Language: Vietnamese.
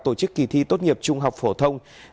tổ chức kỳ thi tốt nghiệp trung học phổ thông